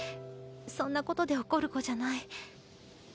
そんなことで怒る子じゃない。